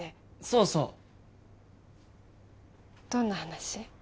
そうそうどんな話？